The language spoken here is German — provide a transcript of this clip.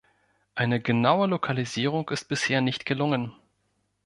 Eine genaue Lokalisierung ist bisher nicht gelungen.